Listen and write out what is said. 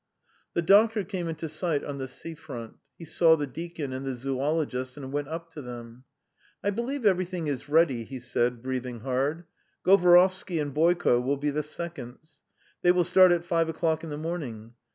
The doctor came into sight on the sea front. He saw the deacon and the zoologist, and went up to them. "I believe everything is ready," he said, breathing hard. "Govorovsky and Boyko will be the seconds. They will start at five o'clock in the morning.